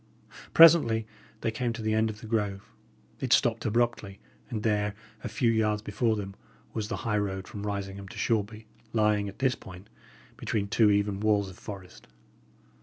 Presently they came to the end of the grove. It stopped abruptly; and there, a few yards before them, was the high road from Risingham to Shoreby, lying, at this point, between two even walls of forest.